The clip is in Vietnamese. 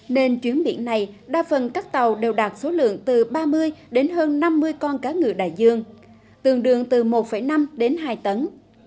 nên chuyến biển này đa phần các tàu đều đạt số lượng từ ba mươi đến hơn năm mươi con cá ngựa đại dương tương đương từ một năm đến hai tấn